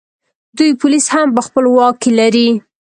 دوی پولیس هم په خپل واک کې لري